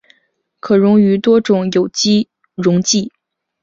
可溶于多数有机溶剂。